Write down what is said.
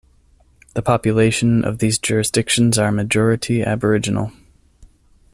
The population of these jurisdictions are majority aboriginal.